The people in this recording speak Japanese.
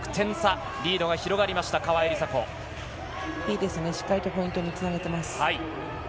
いいですね、しっかりポイントにつなげています。